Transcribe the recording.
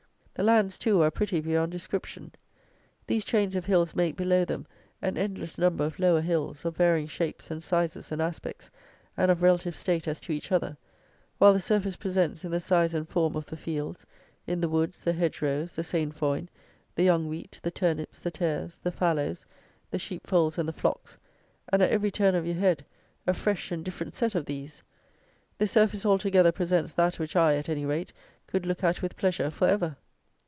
The lands, too, are pretty beyond description. These chains of hills make, below them, an endless number of lower hills, of varying shapes and sizes and aspects and of relative state as to each other; while the surface presents, in the size and form of the fields, in the woods, the hedgerows, the sainfoin, the young wheat, the turnips, the tares, the fallows, the sheep folds and the flocks, and, at every turn of your head, a fresh and different set of these; this surface all together presents that which I, at any rate, could look at with pleasure for ever.